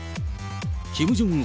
キム・ジョンウン